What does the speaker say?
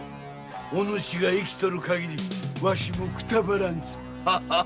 おぬしが生きてるかぎりくたばらんぞ。